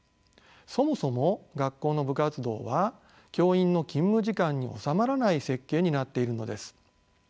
そもそも学校の部活動は教員の勤務時間に収まらない設計になっているのです。